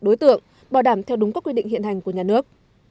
đối tượng bảo đảm theo đúng các quy định hiện hành của nhà nước